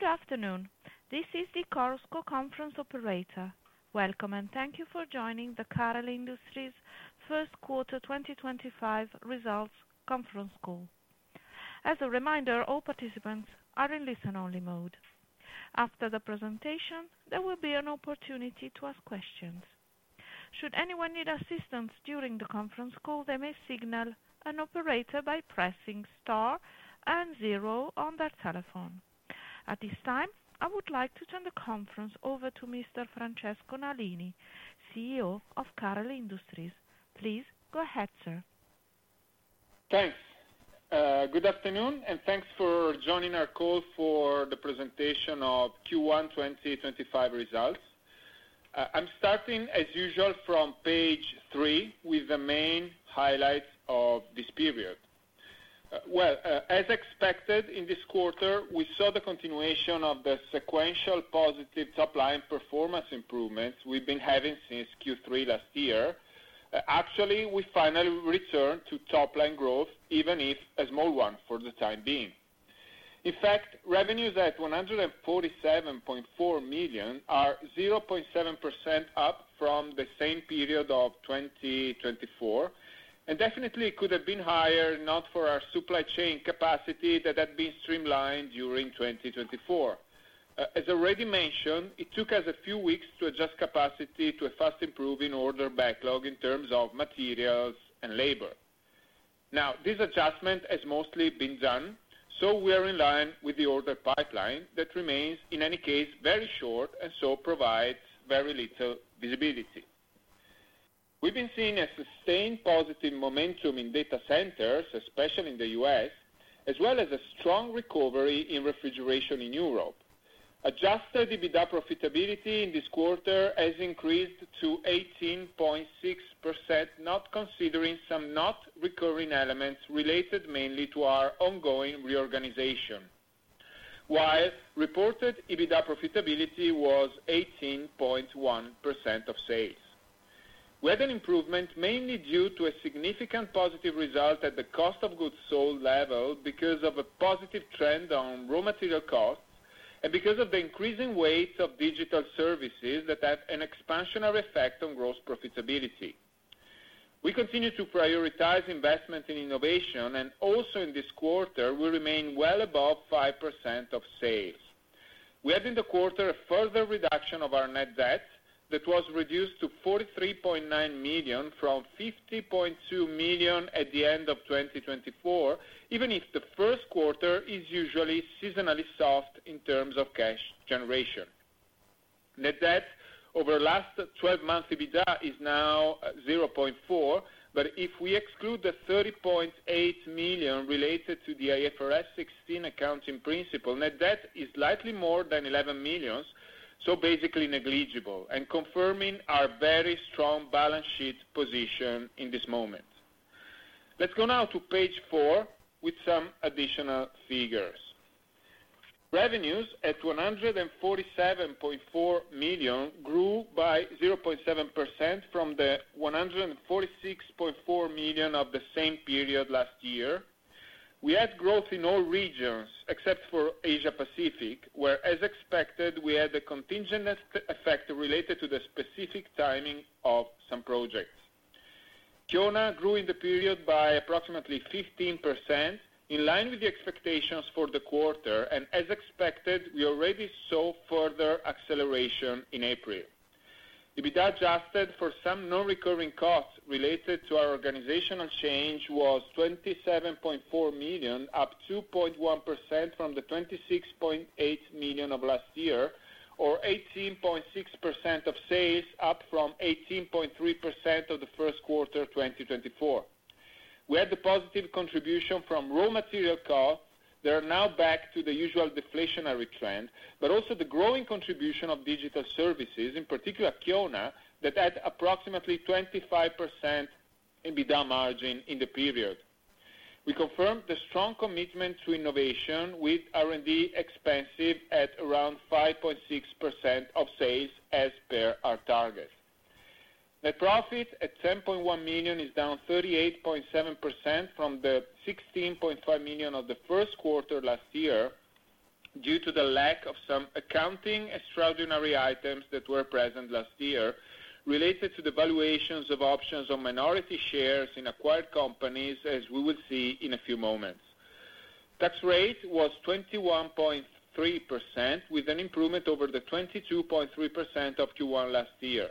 Good afternoon. This is the CarelSco conference operator. Welcome, and thank you for joining the Carel Industries First Quarter 2025 Results Conference Call. As a reminder, all participants are in listen-only mode. After the presentation, there will be an opportunity to ask questions. Should anyone need assistance during the conference call, they may signal an operator by pressing star and zero on their telephone. At this time, I would like to turn the conference over to Mr. Francesco Nalini, CEO of Carel Industries. Please go ahead, sir. Thanks. Good afternoon, and thanks for joining our call for the presentation of Q1 2025 results. I'm starting, as usual, from page three with the main highlights of this period. As expected, in this quarter, we saw the continuation of the sequential positive top-line performance improvements we've been having since Q3 last year. Actually, we finally returned to top-line growth, even if a small one for the time being. In fact, revenues at 147.4 million are 0.7% up from the same period of 2024, and definitely could have been higher not for our supply chain capacity that had been streamlined during 2024. As already mentioned, it took us a few weeks to adjust capacity to a fast-improving order backlog in terms of materials and labor. Now, this adjustment has mostly been done, so we are in line with the order pipeline that remains, in any case, very short and so provides very little visibility. We've been seeing a sustained positive momentum in data centers, especially in the US, as well as a strong recovery in refrigeration in Europe. Adjusted EBITDA profitability in this quarter has increased to 18.6%, not considering some not recurring elements related mainly to our ongoing reorganization, while reported EBITDA profitability was 18.1% of sales. We had an improvement mainly due to a significant positive result at the cost of goods sold level because of a positive trend on raw material costs and because of the increasing weight of digital services that have an expansionary effect on gross profitability. We continue to prioritize investment in innovation, and also in this quarter, we remain well above 5% of sales. We had, in the quarter, a further reduction of our net debt that was reduced to 43.9 million from 50.2 million at the end of 2024, even if the first quarter is usually seasonally soft in terms of cash generation. Net debt over the last 12 months EBITDA is now 0.4, but if we exclude the 30.8 million related to the IFRS 16 accounting principle, net debt is slightly more than 11 million, so basically negligible, and confirming our very strong balance sheet position in this moment. Let's go now to page four with some additional figures. Revenues at 147.4 million grew by 0.7% from the 146.4 million of the same period last year. We had growth in all regions except for Asia-Pacific, where, as expected, we had a contingent effect related to the specific timing of some projects. Kiona grew in the period by approximately 15%, in line with the expectations for the quarter, and as expected, we already saw further acceleration in April. Adjusted EBITDA for some non-recurring costs related to our organizational change was 27.4 million, up 2.1% from the 26.8 million of last year, or 18.6% of sales, up from 18.3% of the first quarter 2024. We had the positive contribution from raw material costs that are now back to the usual deflationary trend, but also the growing contribution of digital services, in particular Kiona, that had approximately 25% EBITDA margin in the period. We confirmed the strong commitment to innovation with R&D expenses at around 5.6% of sales as per our target. Net profit at 10.1 million is down 38.7% from the 16.5 million of the first quarter last year due to the lack of some accounting extraordinary items that were present last year related to the valuations of options on minority shares in acquired companies, as we will see in a few moments. Tax rate was 21.3%, with an improvement over the 22.3% of Q1 last year.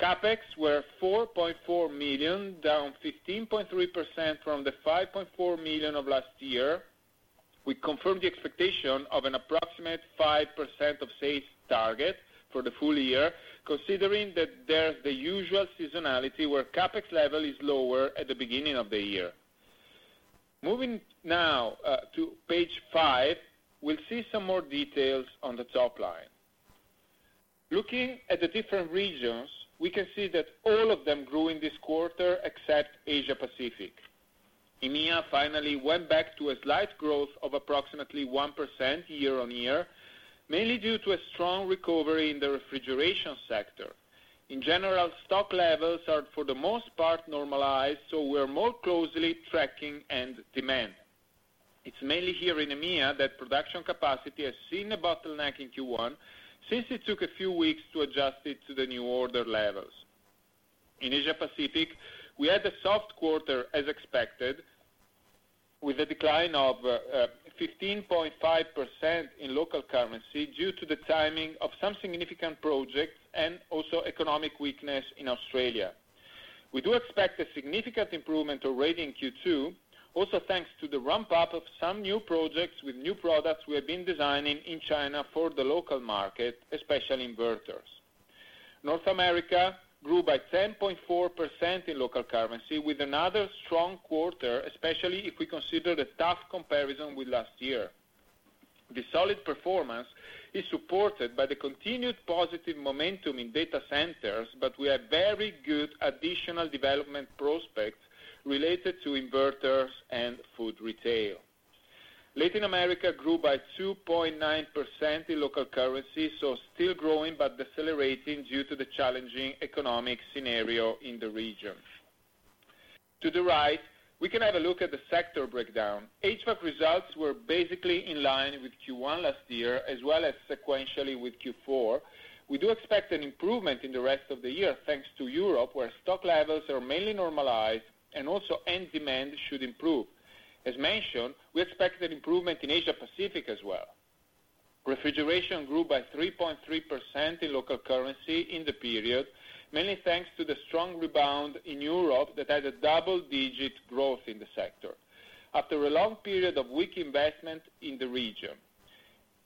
Capex were 4.4 million, down 15.3% from the 5.4 million of last year. We confirmed the expectation of an approximate 5% of sales target for the full year, considering that there's the usual seasonality where Capex level is lower at the beginning of the year. Moving now to page five, we'll see some more details on the top line. Looking at the different regions, we can see that all of them grew in this quarter except Asia-Pacific. EMEA finally went back to a slight growth of approximately 1% year on year, mainly due to a strong recovery in the refrigeration sector. In general, stock levels are, for the most part, normalized, so we're more closely tracking end demand. It's mainly here in EMEA that production capacity has seen a bottleneck in Q1 since it took a few weeks to adjust it to the new order levels. In Asia-Pacific, we had a soft quarter as expected, with a decline of 15.5% in local currency due to the timing of some significant projects and also economic weakness in Australia. We do expect a significant improvement already in Q2, also thanks to the ramp-up of some new projects with new products we have been designing in China for the local market, especially inverters. North America grew by 10.4% in local currency, with another strong quarter, especially if we consider the tough comparison with last year. The solid performance is supported by the continued positive momentum in data centers, but we have very good additional development prospects related to inverters and food retail. Latin America grew by 2.9% in local currency, so still growing but decelerating due to the challenging economic scenario in the region. To the right, we can have a look at the sector breakdown. HVAC results were basically in line with Q1 last year, as well as sequentially with Q4. We do expect an improvement in the rest of the year thanks to Europe, where stock levels are mainly normalized, and also end demand should improve. As mentioned, we expect an improvement in Asia-Pacific as well. Refrigeration grew by 3.3% in local currency in the period, mainly thanks to the strong rebound in Europe that had a double-digit growth in the sector after a long period of weak investment in the region.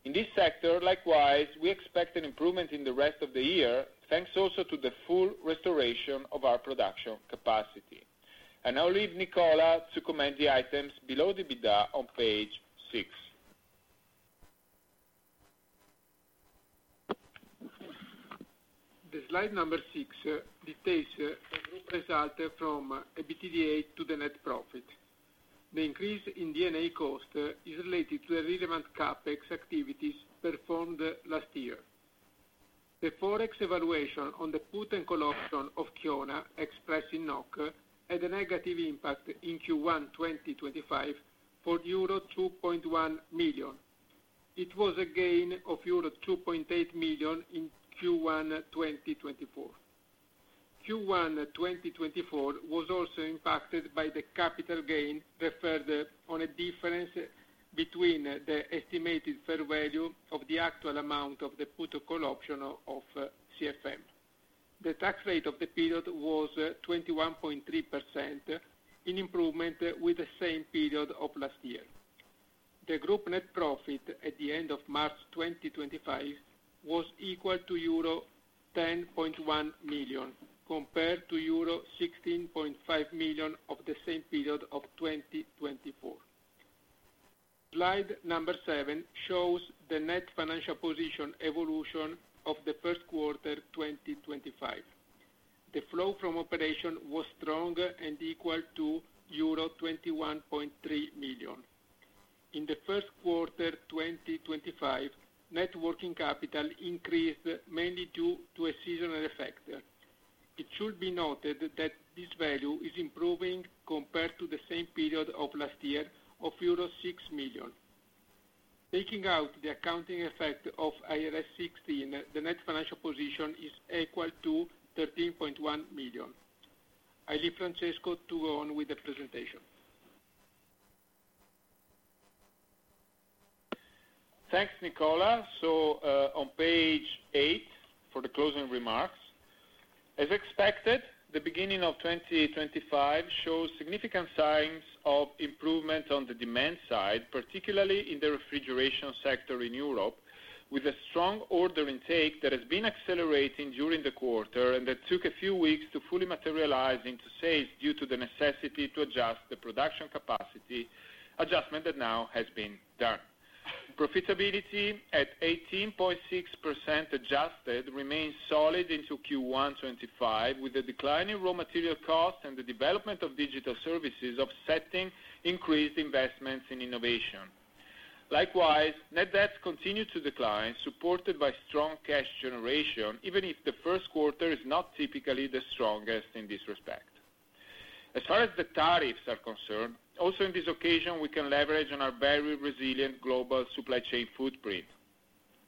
In this sector, likewise, we expect an improvement in the rest of the year, thanks also to the full restoration of our production capacity. I now leave Nicola to comment the items below EBITDA on page six. The slide number six details the group result from EBITDA to the net profit. The increase in D&A cost is related to the relevant CapEx activities performed last year. The Forex evaluation on the put and call option of Kiona, expressed in NOK, had a negative impact in Q1 2025 for euro 2.1 million. It was a gain of euro 2.8 million in Q1 2024. Q1 2024 was also impacted by the capital gain referred on a difference between the estimated fair value of the actual amount of the put or call option of CFM. The tax rate of the period was 21.3%, in improvement with the same period of last year. The group net profit at the end of March 2025 was equal to euro 10.1 million compared to euro 16.5 million of the same period of 2024. Slide number seven shows the net financial position evolution of the first quarter 2025. The flow from operation was strong and equal to euro 21.3 million. In the first quarter 2025, net working capital increased mainly due to a seasonal effect. It should be noted that this value is improving compared to the same period of last year of euro 6 million. Taking out the accounting effect of IFRS 16, the net financial position is equal to 13.1 million. I leave Francesco to go on with the presentation. Thanks, Nicola. On page eight for the closing remarks, as expected, the beginning of 2025 shows significant signs of improvement on the demand side, particularly in the refrigeration sector in Europe, with a strong order intake that has been accelerating during the quarter and that took a few weeks to fully materialize into sales due to the necessity to adjust the production capacity adjustment that now has been done. Profitability at 18.6% adjusted remains solid into Q1 2025, with the declining raw material costs and the development of digital services offsetting increased investments in innovation. Likewise, net debt continues to decline, supported by strong cash generation, even if the first quarter is not typically the strongest in this respect. As far as the tariffs are concerned, also in this occasion, we can leverage on our very resilient global supply chain footprint.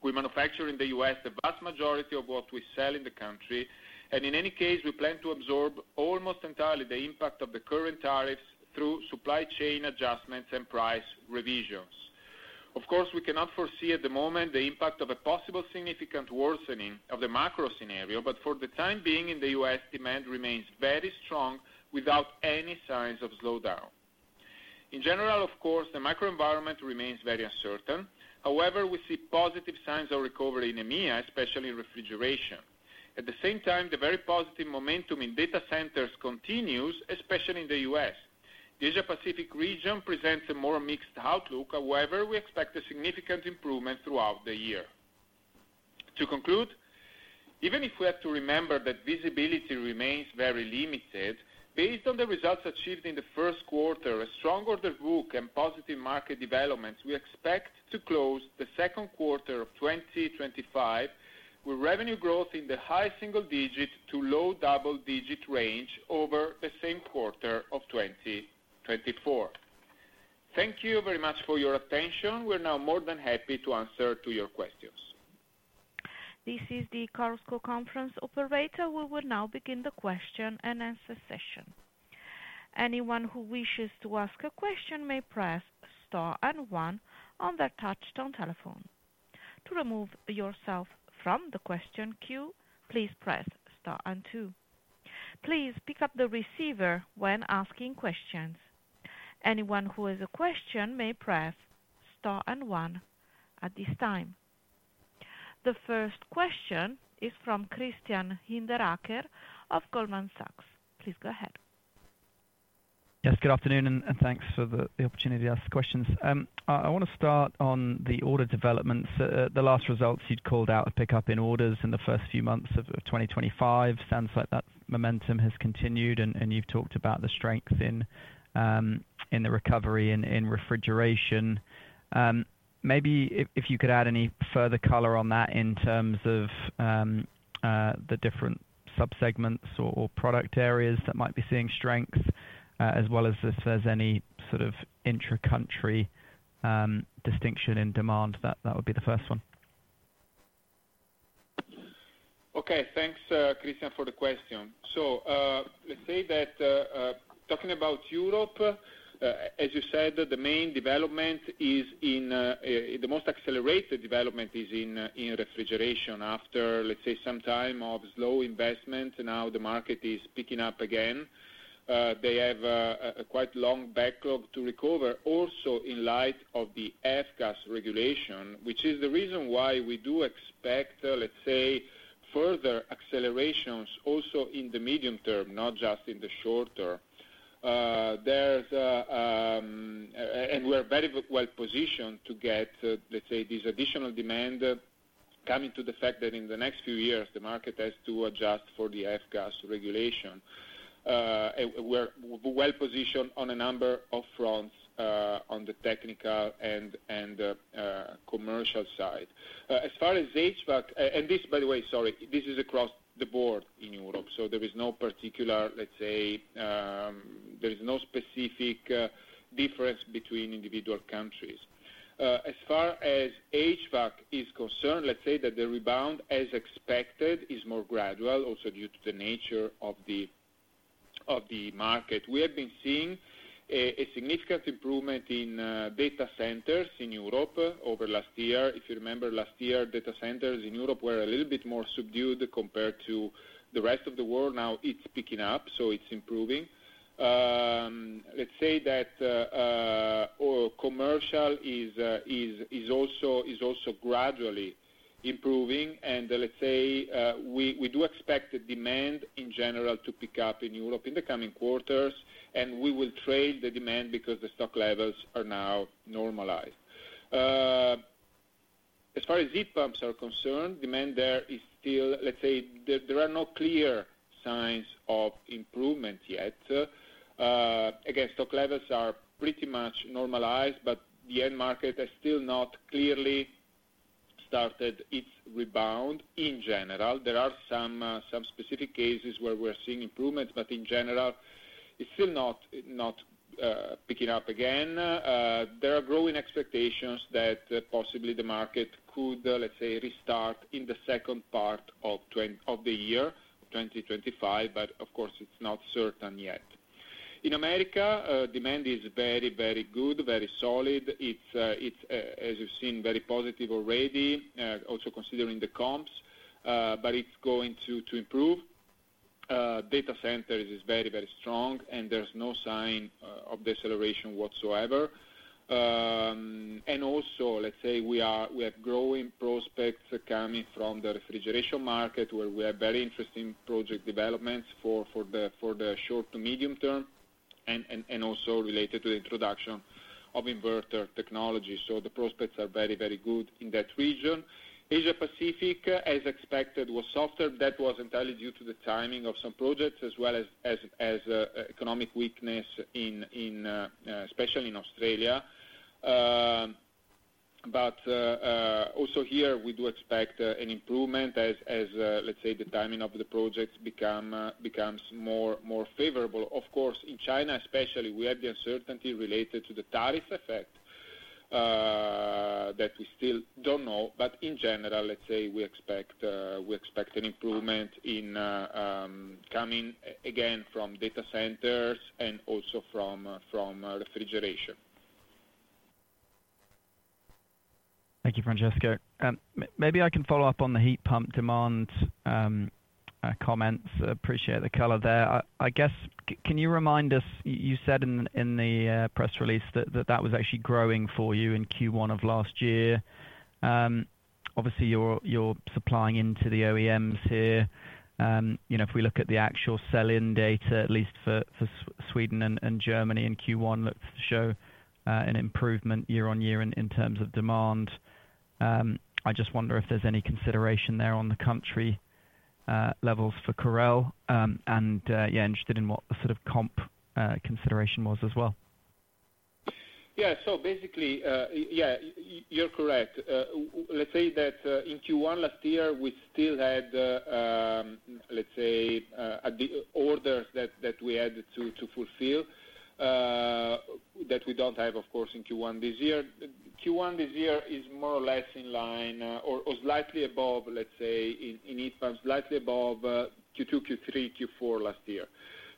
We manufacture in the U.S. the vast majority of what we sell in the country, and in any case, we plan to absorb almost entirely the impact of the current tariffs through supply chain adjustments and price revisions. Of course, we cannot foresee at the moment the impact of a possible significant worsening of the macro scenario, but for the time being in the U.S., demand remains very strong without any signs of slowdown. In general, of course, the macro environment remains very uncertain. However, we see positive signs of recovery in EMEA, especially in refrigeration. At the same time, the very positive momentum in data centers continues, especially in the U.S. The Asia-Pacific region presents a more mixed outlook. However, we expect a significant improvement throughout the year. To conclude, even if we have to remember that visibility remains very limited, based on the results achieved in the first quarter, a strong order book and positive market developments, we expect to close the second quarter of 2025 with revenue growth in the high single-digit to low double-digit range over the same quarter of 2024. Thank you very much for your attention. We're now more than happy to answer your questions. This is the Carel Industries Conference operator. We will now begin the question and answer session. Anyone who wishes to ask a question may press star and one on their touchstone telephone. To remove yourself from the question queue, please press star and two. Please pick up the receiver when asking questions. Anyone who has a question may press star and one at this time. The first question is from Christian Hinderaker of Goldman Sachs. Please go ahead. Yes, good afternoon and thanks for the opportunity to ask questions. I want to start on the order developments. The last results you'd called out a pickup in orders in the first few months of 2025. Sounds like that momentum has continued, and you've talked about the strength in the recovery in refrigeration. Maybe if you could add any further color on that in terms of the different subsegments or product areas that might be seeing strength, as well as if there's any sort of intra-country distinction in demand, that would be the first one. Okay, thanks, Christian, for the question. Let's say that talking about Europe, as you said, the main development is the most accelerated development is in refrigeration after, let's say, some time of slow investment. Now the market is picking up again. They have a quite long backlog to recover, also in light of the F-gas regulation, which is the reason why we do expect, let's say, further accelerations also in the medium term, not just in the short term. We are very well positioned to get, let's say, this additional demand coming due to the fact that in the next few years, the market has to adjust for the F-gas regulation. We are well positioned on a number of fronts on the technical and commercial side. As far as HVAC, and this, by the way, sorry, this is across the board in Europe, so there is no particular, let's say, there is no specific difference between individual countries. As far as HVAC is concerned, let's say that the rebound, as expected, is more gradual, also due to the nature of the market. We have been seeing a significant improvement in data centers in Europe over last year. If you remember, last year, data centers in Europe were a little bit more subdued compared to the rest of the world. Now it's picking up, so it's improving. Let's say that commercial is also gradually improving. Let's say we do expect the demand in general to pick up in Europe in the coming quarters, and we will trade the demand because the stock levels are now normalized. As far as heat pumps are concerned, demand there is still, let's say, there are no clear signs of improvement yet. Again, stock levels are pretty much normalized, but the end market has still not clearly started its rebound in general. There are some specific cases where we're seeing improvements, but in general, it's still not picking up again. There are growing expectations that possibly the market could, let's say, restart in the second part of the year 2025, but of course, it's not certain yet. In America, demand is very, very good, very solid. It's, as you've seen, very positive already, also considering the comps, but it's going to improve. Data centers is very, very strong, and there's no sign of deceleration whatsoever. We have growing prospects coming from the refrigeration market, where we have very interesting project developments for the short to medium term and also related to the introduction of inverter technology. The prospects are very, very good in that region. Asia-Pacific, as expected, was softer. That was entirely due to the timing of some projects, as well as economic weakness, especially in Australia. We do expect an improvement as the timing of the projects becomes more favorable. Of course, in China especially, we have the uncertainty related to the tariff effect that we still do not know. In general, we expect an improvement coming again from data centers and also from refrigeration. Thank you, Francesco. Maybe I can follow up on the heat pump demand comments. Appreciate the color there. I guess, can you remind us, you said in the press release that that was actually growing for you in Q1 of last year. Obviously, you're supplying into the OEMs here. If we look at the actual sell-in data, at least for Sweden and Germany in Q1, looks to show an improvement year on year in terms of demand. I just wonder if there's any consideration there on the country levels for Carel and, yeah, interested in what the sort of comp consideration was as well. Yeah, so basically, yeah, you're correct. Let's say that in Q1 last year, we still had, let's say, orders that we had to fulfill that we don't have, of course, in Q1 this year. Q1 this year is more or less in line or slightly above, let's say, in heat pumps, slightly above Q2, Q3, Q4 last year.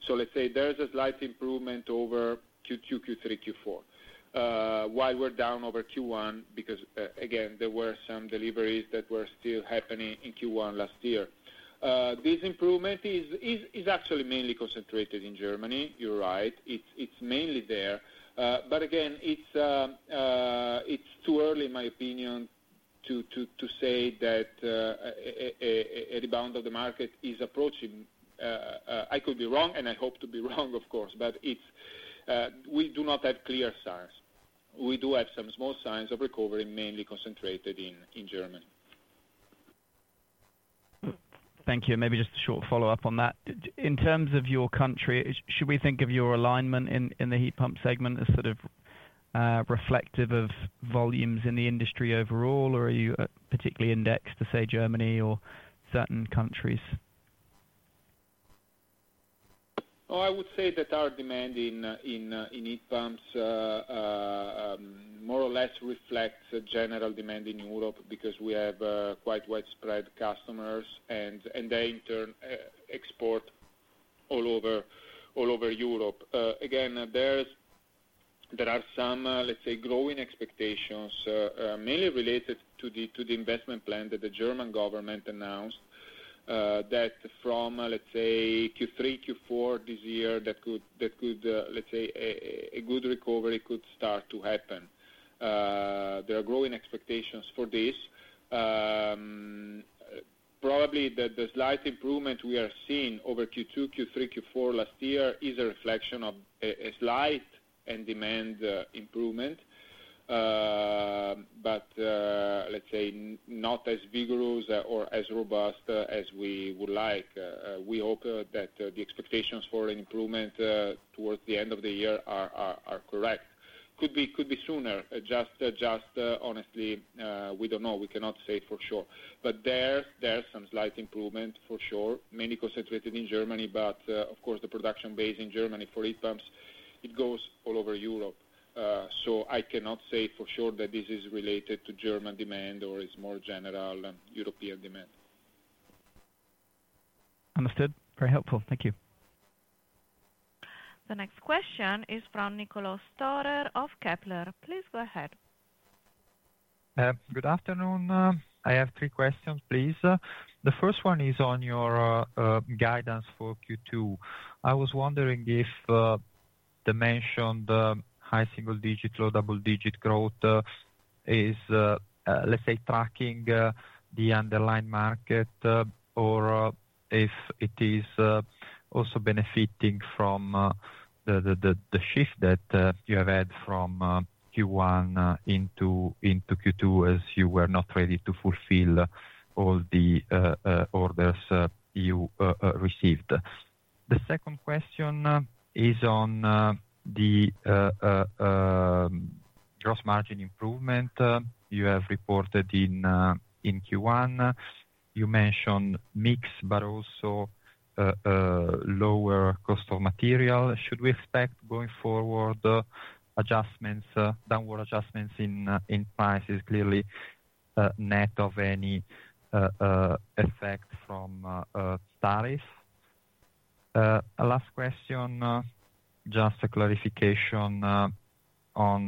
Let's say there's a slight improvement over Q2, Q3, Q4, while we're down over Q1 because, again, there were some deliveries that were still happening in Q1 last year. This improvement is actually mainly concentrated in Germany. You're right. It's mainly there. Again, it's too early, in my opinion, to say that a rebound of the market is approaching. I could be wrong, and I hope to be wrong, of course, but we do not have clear signs. We do have some small signs of recovery, mainly concentrated in Germany. Thank you. Maybe just a short follow-up on that. In terms of your country, should we think of your alignment in the heat pump segment as sort of reflective of volumes in the industry overall, or are you particularly indexed to, say, Germany or certain countries? I would say that our demand in heat pumps more or less reflects general demand in Europe because we have quite widespread customers, and they, in turn, export all over Europe. Again, there are some, let's say, growing expectations, mainly related to the investment plan that the German government announced, that from, let's say, Q3, Q4 this year, that could, let's say, a good recovery could start to happen. There are growing expectations for this. Probably the slight improvement we are seeing over Q2, Q3, Q4 last year is a reflection of a slight demand improvement, but let's say not as vigorous or as robust as we would like. We hope that the expectations for an improvement towards the end of the year are correct. Could be sooner. Just honestly, we don't know. We cannot say for sure. There is some slight improvement for sure, mainly concentrated in Germany, but of course, the production base in Germany for heat pumps, it goes all over Europe. I cannot say for sure that this is related to German demand or it is more general European demand. Understood. Very helpful. Thank you. The next question is from Nicola Biondo of Kepler. Please go ahead. Good afternoon. I have three questions, please. The first one is on your guidance for Q2. I was wondering if the mentioned high single-digit or double-digit growth is, let's say, tracking the underlying market, or if it is also benefiting from the shift that you have had from Q1 into Q2 as you were not ready to fulfill all the orders you received. The second question is on the gross margin improvement you have reported in Q1. You mentioned mix, but also lower cost of material. Should we expect going forward downward adjustments in prices, clearly net of any effect from tariffs? Last question, just a clarification on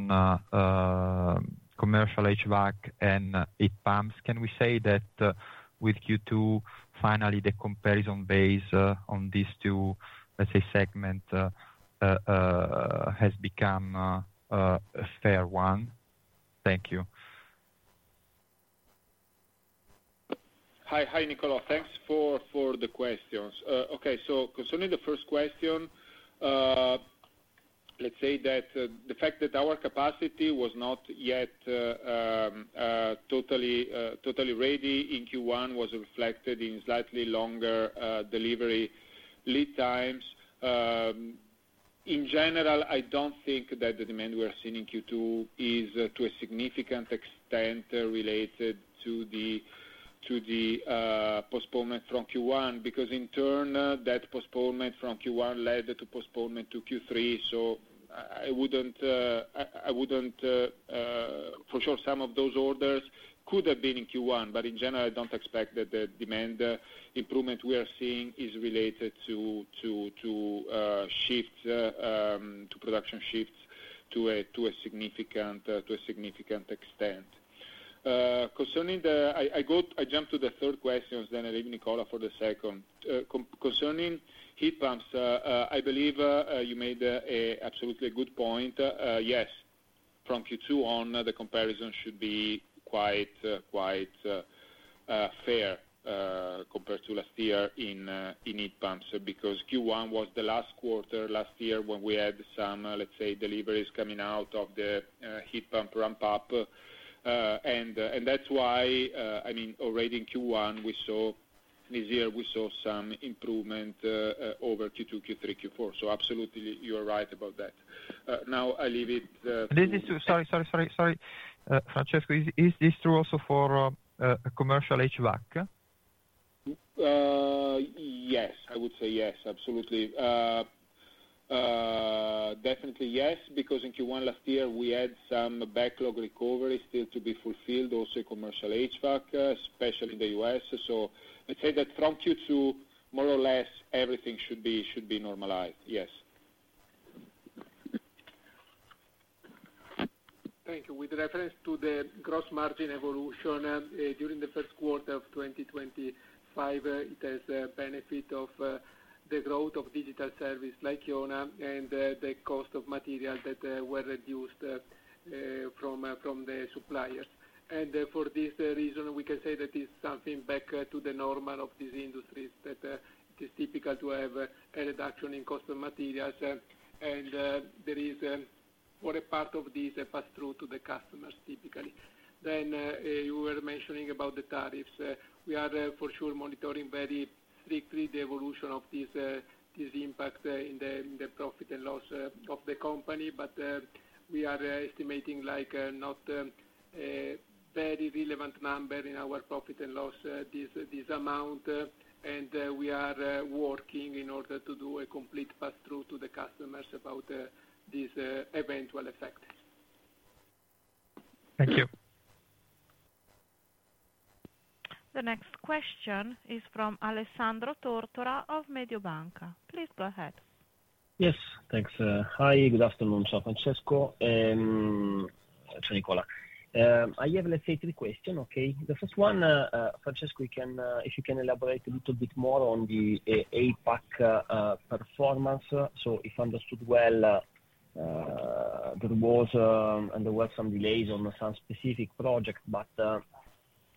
commercial HVAC and heat pumps. Can we say that with Q2, finally, the comparison base on these two, let's say, segments has become a fair one? Thank you. Hi, Nicola. Thanks for the questions. Okay, so concerning the first question, let's say that the fact that our capacity was not yet totally ready in Q1 was reflected in slightly longer delivery lead times. In general, I don't think that the demand we are seeing in Q2 is to a significant extent related to the postponement from Q1 because, in turn, that postponement from Q1 led to postponement to Q3. I wouldn't, for sure, some of those orders could have been in Q1, but in general, I don't expect that the demand improvement we are seeing is related to production shifts to a significant extent. I jumped to the third question, then I leave Nicola for the second. Concerning heat pumps, I believe you made absolutely a good point. Yes, from Q2 on, the comparison should be quite fair compared to last year in heat pumps because Q1 was the last quarter last year when we had some, let's say, deliveries coming out of the heat pump ramp-up. That's why, I mean, already in Q1 this year, we saw some improvement over Q2, Q3, Q4. Absolutely, you are right about that. Now I leave it. Sorry, Francesco. Is this true also for commercial HVAC? Yes, I would say yes. Absolutely. Definitely yes because in Q1 last year, we had some backlog recovery still to be fulfilled, also commercial HVAC, especially in the U.S. Let's say that from Q2, more or less, everything should be normalized. Yes. Thank you. With reference to the gross margin evolution during the first quarter of 2025, it has benefited from the growth of digital service like Kiona and the cost of material that were reduced from the suppliers. For this reason, we can say that it's something back to the normal of these industries that it is typical to have a reduction in cost of materials. For a part of these, it passed through to the customers typically. You were mentioning about the tariffs. We are for sure monitoring very strictly the evolution of this impact in the profit and loss of the company, but we are estimating not a very relevant number in our profit and loss, this amount. We are working in order to do a complete pass-through to the customers about this eventual effect. Thank you. The next question is from Alessandro Tortora of Mediobanca. Please go ahead. Yes. Thanks. Hi, good afternoon, Francesco. I have three questions. Okay. The first one, Francesco, if you can elaborate a little bit more on the APAC performance. If I understood well, there were some delays on some specific projects, but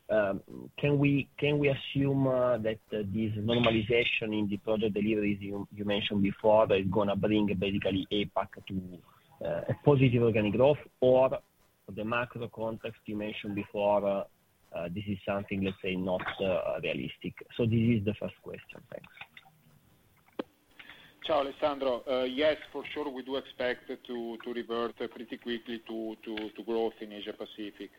can we assume that this normalization in the project deliveries you mentioned before is going to bring basically APAC to a positive organic growth, or for the macro context you mentioned before, this is something, let's say, not realistic? This is the first question. Thanks. Ciao, Alessandro. Yes, for sure, we do expect to revert pretty quickly to growth in Asia-Pacific.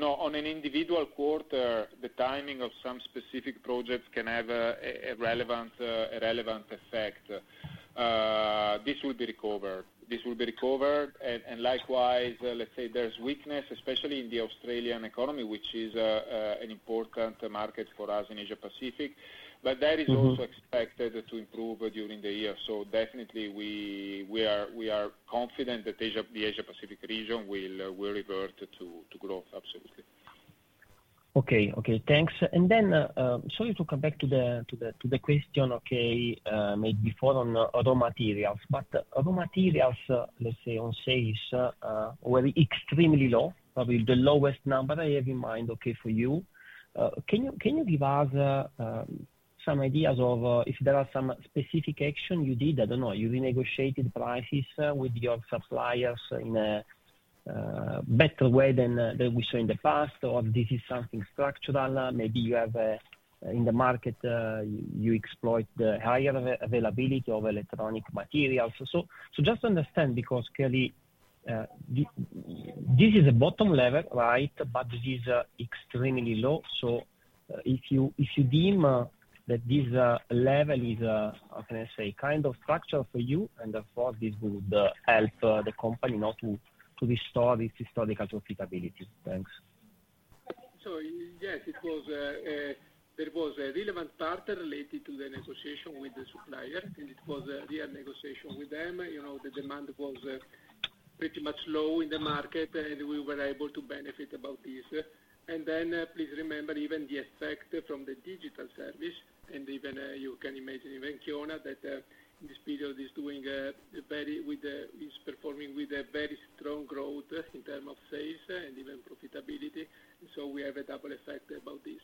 On an individual quarter, the timing of some specific projects can have a relevant effect. This will be recovered. Likewise, let's say there's weakness, especially in the Australian economy, which is an important market for us in Asia-Pacific, but that is also expected to improve during the year. Definitely, we are confident that the Asia-Pacific region will revert to growth. Absolutely. Okay. Okay. Thanks. Sorry to come back to the question made before on raw materials, but raw materials, let's say, on sales were extremely low, probably the lowest number I have in mind for you. Can you give us some ideas of if there are some specific actions you did? I do not know. You renegotiated prices with your suppliers in a better way than we saw in the past, or this is something structural? Maybe you have in the market, you exploit the higher availability of electronic materials. Just to understand, because clearly, this is a bottom level, right, but this is extremely low. If you deem that this level is, how can I say, kind of structural for you, and therefore this would help the company not to restore its historical profitability. Thanks. Yes, there was a relevant part related to the negotiation with the suppliers. It was a real negotiation with them. The demand was pretty much low in the market, and we were able to benefit about this. Please remember even the effect from the digital service, and even you can imagine even Kiona that in this period is performing with a very strong growth in terms of sales and even profitability. We have a double effect about this.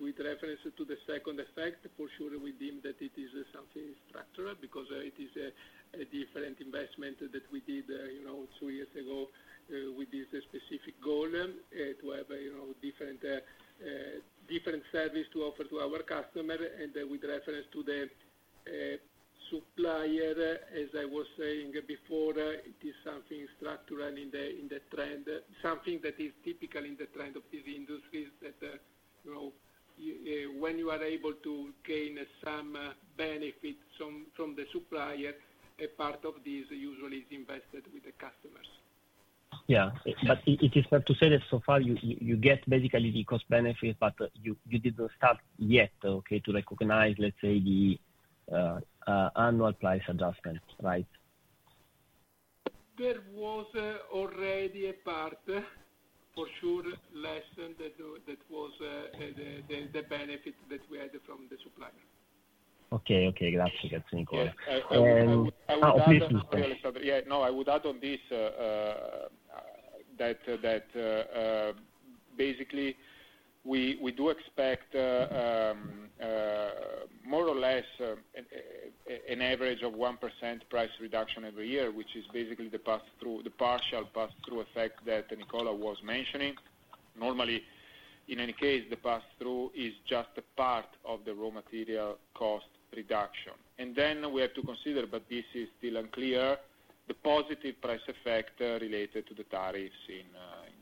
With reference to the second effect, for sure, we deem that it is something structural because it is a different investment that we did two years ago with this specific goal to have different service to offer to our customers. With reference to the supplier, as I was saying before, it is something structural in the trend, something that is typical in the trend of these industries that when you are able to gain some benefit from the supplier, a part of this usually is invested with the customers. Yeah. It is fair to say that so far you get basically the cost benefit, but you did not start yet to recognize, let's say, the annual price adjustment, right? There was already a part, for sure, lessened that was the benefit that we had from the supplier. Okay. Okay. Grazie. Grazie, Nicola. I would add on this. Yeah. No, I would add on this that basically we do expect more or less an average of 1% price reduction every year, which is basically the partial pass-through effect that Nicola was mentioning. Normally, in any case, the pass-through is just a part of the raw material cost reduction. We have to consider, but this is still unclear, the positive price effect related to the tariffs in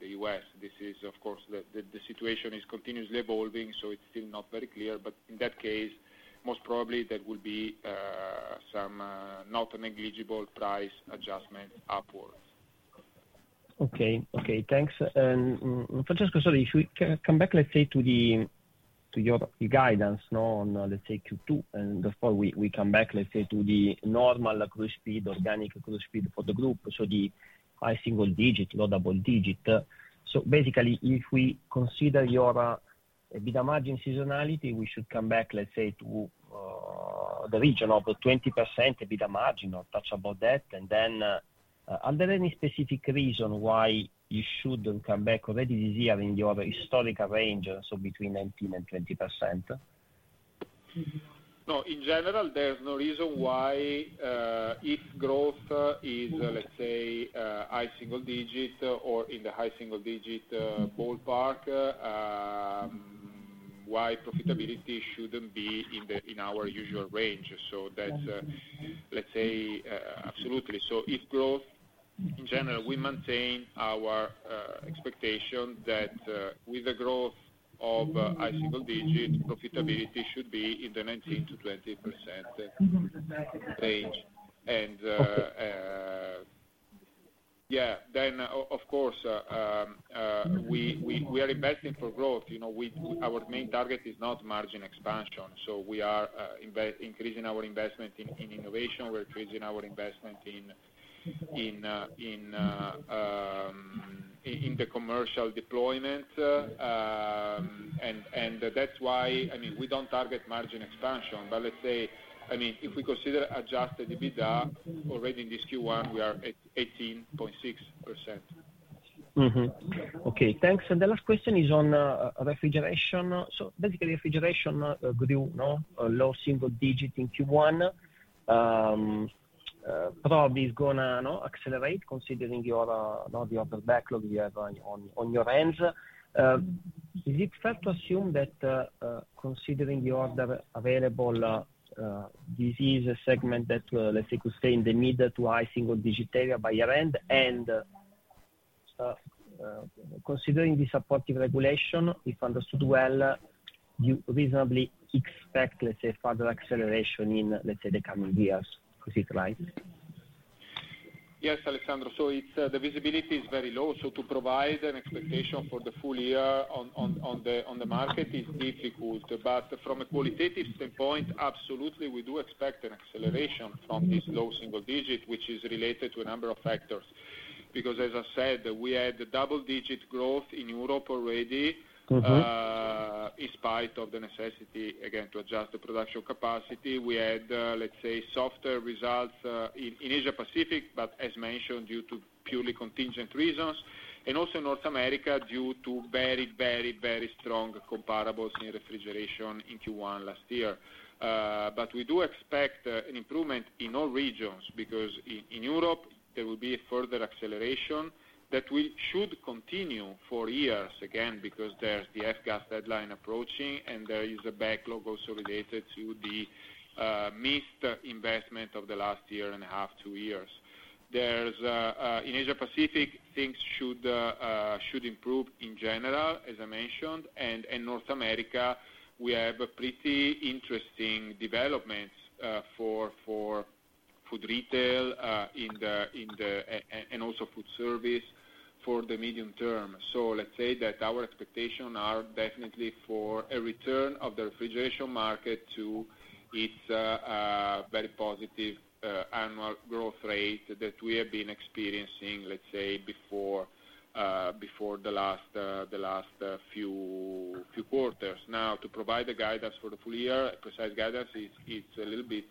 the U.S. This is, of course, the situation is continuously evolving, so it's still not very clear, but in that case, most probably there will be some not negligible price adjustments upwards. Okay. Okay. Thanks. And Francesco, sorry, if we come back, let's say, to your guidance on, let's say, Q2, and therefore we come back, let's say, to the normal accrual speed, organic accrual speed for the group, so the high single-digit or double-digit. So basically, if we consider your EBITDA margin seasonality, we should come back, let's say, to the region of 20% EBITDA margin or touch about that. Are there any specific reasons why you should come back already this year in your historical range, so between 19-20%? No. In general, there's no reason why if growth is, let's say, high single-digit or in the high single-digit ballpark, why profitability shouldn't be in our usual range. That's, let's say, absolutely. If growth, in general, we maintain our expectation that with the growth of high single-digit, profitability should be in the 19%-20% range. Yeah, of course, we are investing for growth. Our main target is not margin expansion. We are increasing our investment in innovation. We're increasing our investment in the commercial deployment. That's why, I mean, we don't target margin expansion, but let's say, I mean, if we consider adjusted EBITDA, already in this Q1, we are at 18.6%. Okay. Thanks. The last question is on refrigeration. Basically, refrigeration grew low single-digit in Q1, probably is going to accelerate considering the order backlog you have on your end. Is it fair to assume that considering the order available, this is a segment that, let's say, could stay in the mid to high single-digit area by year end? Considering the supportive regulation, if understood well, you reasonably expect, let's say, further acceleration in, let's say, the coming years. Is it right? Yes, Alessandro. The visibility is very low. To provide an expectation for the full year on the market is difficult. From a qualitative standpoint, absolutely, we do expect an acceleration from this low single-digit, which is related to a number of factors. As I said, we had double-digit growth in Europe already in spite of the necessity, again, to adjust the production capacity. We had, let's say, softer results in Asia-Pacific, but as mentioned, due to purely contingent reasons. Also in North America due to very, very, very strong comparables in refrigeration in Q1 last year. We do expect an improvement in all regions because in Europe, there will be a further acceleration that should continue for years, again, because there's the F-gas deadline approaching, and there is a backlog also related to the missed investment of the last year and a half, two years. In Asia-Pacific, things should improve in general, as I mentioned. In North America, we have pretty interesting developments for Food Retail and also Food service for the medium term. Let's say that our expectations are definitely for a return of the refrigeration market to its very positive annual growth rate that we have been experiencing, let's say, before the last few quarters. Now, to provide the guidance for the full year, precise guidance, it's a little bit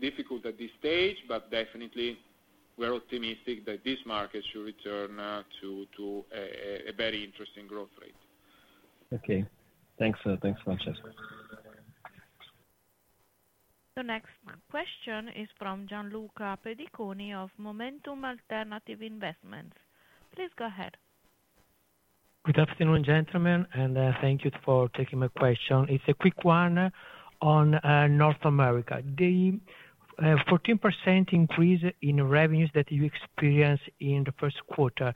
difficult at this stage, but definitely, we're optimistic that this market should return to a very interesting growth rate. Okay. Thanks, Francesco. The next question is from Gianluca Pediconi of Momentum Alternative Investments. Please go ahead. Good afternoon, gentlemen, and thank you for taking my question. It's a quick one on North America. The 14% increase in revenues that you experienced in the first quarter,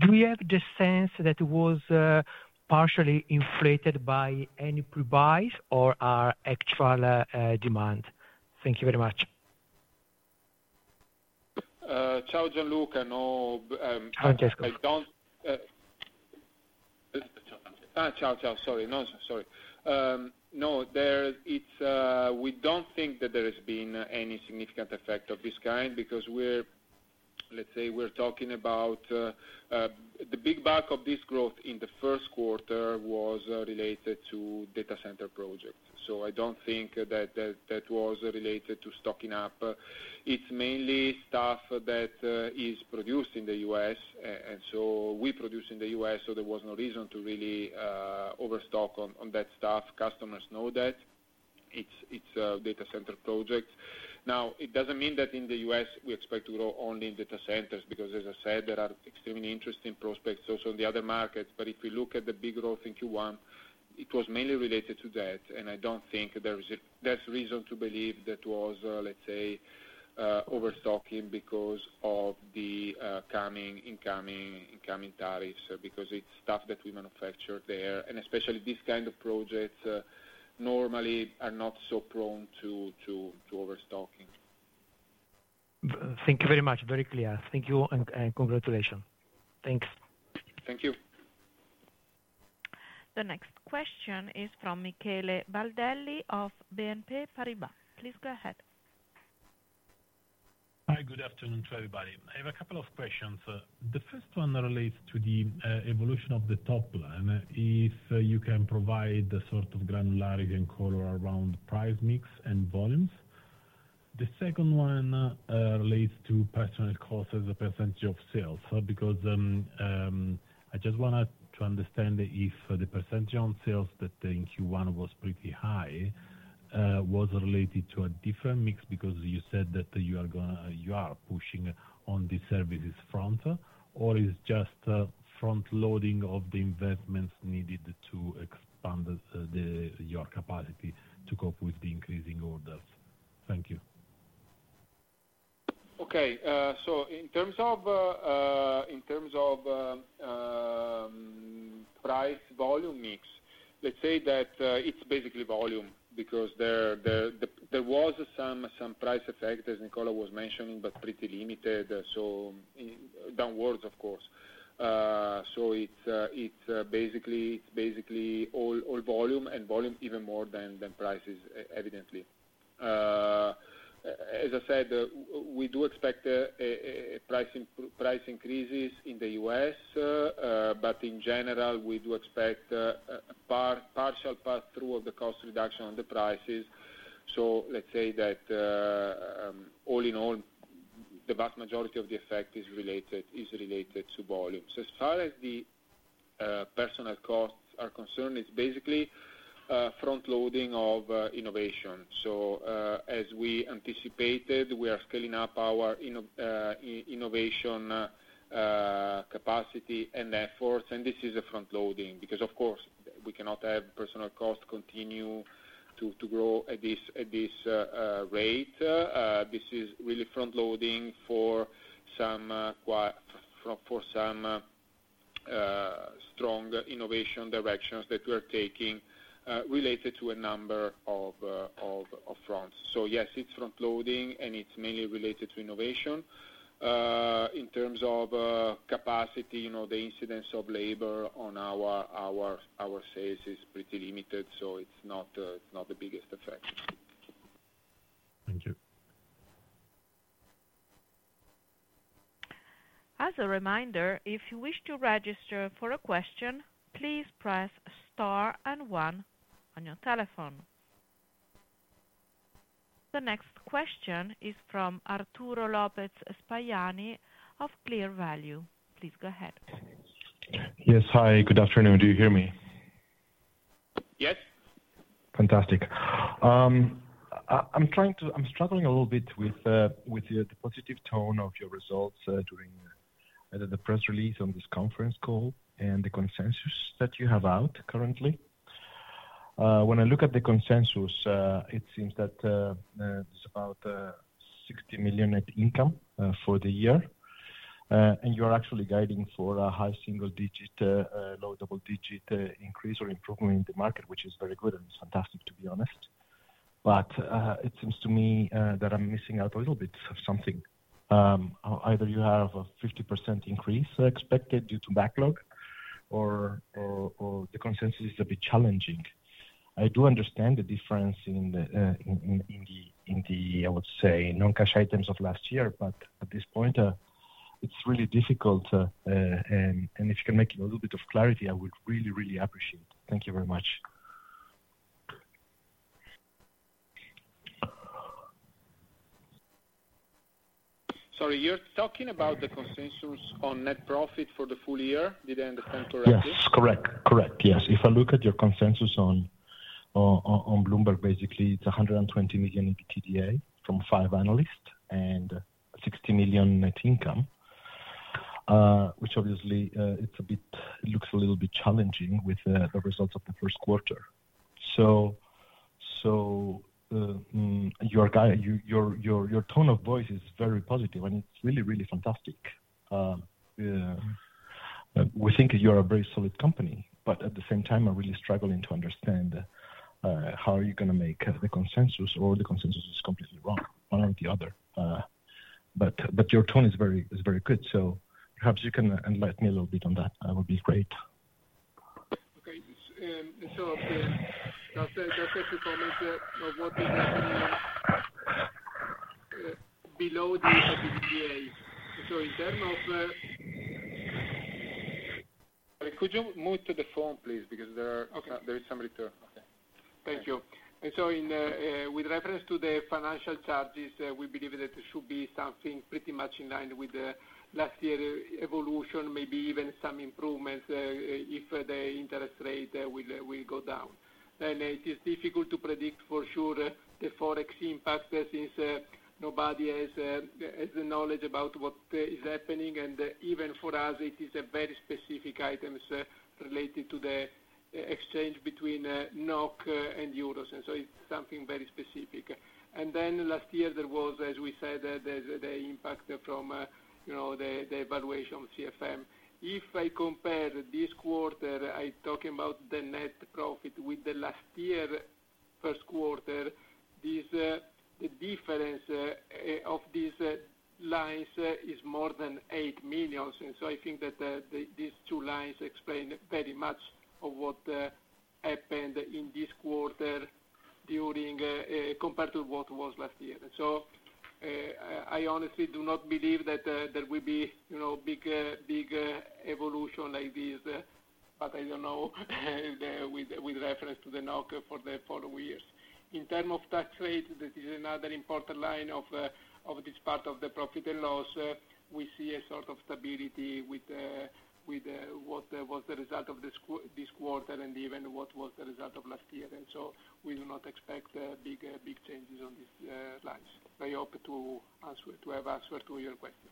do you have the sense that it was partially inflated by any pre-buys or actual demand? Thank you very much. Ciao, Gianluca. No. Francesco. I don't. Ciao, ciao. Ciao, ciao. Sorry. No, sorry. No, we do not think that there has been any significant effect of this kind because, let's say, we are talking about the big bulk of this growth in the first quarter was related to data center projects. I do not think that that was related to stocking up. It is mainly stuff that is produced in the U.S. and we produce in the U.S. so there was no reason to really overstock on that stuff. Customers know that. It is a data center project. Now, it does not mean that in the U.S. we expect to grow only in data centers because, as I said, there are extremely interesting prospects also in the other markets. If we look at the big growth in Q1, it was mainly related to that, and I do not think there is reason to believe that was, let's say, overstocking because of the incoming tariffs because it is stuff that we manufacture there. Especially this kind of projects normally are not so prone to overstocking. Thank you very much. Very clear. Thank you and congratulations. Thanks. Thank you. The next question is from Michele Baldelli of BNP Paribas. Please go ahead. Hi. Good afternoon to everybody. I have a couple of questions. The first one relates to the evolution of the top line, if you can provide a sort of granularity and color around price mix and volumes. The second one relates to personal cost as a percentage of sales because I just want to understand if the percentage on sales that in Q1 was pretty high was related to a different mix because you said that you are pushing on the services front, or is it just front-loading of the investments needed to expand your capacity to cope with the increasing orders? Thank you. Okay. In terms of price volume mix, let's say that it's basically volume because there was some price effect, as Nicola was mentioning, but pretty limited, so downwards, of course. It's basically all volume and volume even more than prices, evidently. As I said, we do expect price increases in the U.S. but in general, we do expect a partial pass-through of the cost reduction on the prices. Let's say that all in all, the vast majority of the effect is related to volumes. As far as the personal costs are concerned, it's basically front-loading of innovation. As we anticipated, we are scaling up our innovation capacity and efforts, and this is a front-loading because, of course, we cannot have personal costs continue to grow at this rate. This is really front-loading for some strong innovation directions that we are taking related to a number of fronts. Yes, it's front-loading, and it's mainly related to innovation. In terms of capacity, the incidence of labor on our sales is pretty limited, so it's not the biggest effect. Thank you. As a reminder, if you wish to register for a question, please press star and one on your telephone. The next question is from Arturo Lopez Spagliani of CL&AR Value. Please go ahead. Yes. Hi. Good afternoon. Do you hear me? Yes. Fantastic. I'm struggling a little bit with the positive tone of your results during the press release on this conference call and the consensus that you have out currently. When I look at the consensus, it seems that it's about 60 million net income for the year. And you are actually guiding for a high single-digit, low double-digit increase or improvement in the market, which is very good and fantastic, to be honest. It seems to me that I'm missing out a little bit of something. Either you have a 50% increase expected due to backlog, or the consensus is a bit challenging. I do understand the difference in the, I would say, non-cash items of last year, but at this point, it's really difficult. If you can make it a little bit of clarity, I would really, really appreciate it. Thank you very much. Sorry, you're talking about the consensus on net profit for the full year? Did I understand correctly? Yes. Correct. Correct. Yes. If I look at your consensus on Bloomberg, basically, it is 120 million in PTDA from five analysts and 60 million net income, which obviously looks a little bit challenging with the results of the first quarter. Your tone of voice is very positive, and it is really, really fantastic. We think you are a very solid company, but at the same time, I am really struggling to understand how you are going to make the consensus or the consensus is completely wrong, one or the other. Your tone is very good, so perhaps you can enlighten me a little bit on that. That would be great. Okay. Does that inform you what is happening below the PTDA? In terms of. Could you move to the phone, please? Because there is somebody too. Okay. Thank you. With reference to the financial charges, we believe that there should be something pretty much in line with last year's evolution, maybe even some improvements if the interest rate will go down. It is difficult to predict for sure the Forex impact since nobody has the knowledge about what is happening. Even for us, it is very specific items related to the exchange between NOK and euros. It is something very specific. Last year, there was, as we said, the impact from the evaluation of CFM. If I compare this quarter, I am talking about the net profit, with last year's first quarter, the difference of these lines is more than 8 million. I think that these two lines explain very much of what happened in this quarter compared to what was last year. I honestly do not believe that there will be a big evolution like this, but I do not know with reference to the NOK for the following years. In terms of tax rates, that is another important line of this part of the profit and loss. We see a sort of stability with what was the result of this quarter and even what was the result of last year. We do not expect big changes on these lines. I hope to have answered to your question.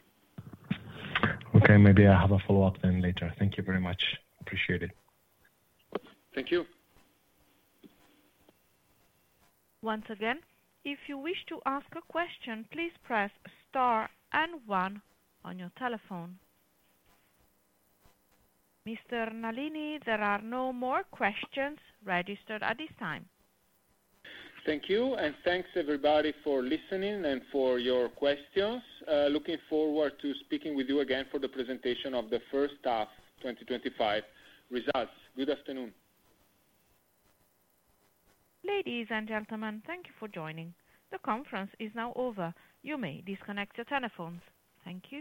Okay. Maybe I have a follow-up then later. Thank you very much. Appreciate it. Thank you. Once again, if you wish to ask a question, please press star and one on your telephone. Mr. Nalini, there are no more questions registered at this time. Thank you. Thank you, everybody, for listening and for your questions. Looking forward to speaking with you again for the presentation of the first half 2025 results. Good afternoon. Ladies and gentlemen, thank you for joining. The conference is now over. You may disconnect your telephones. Thank you.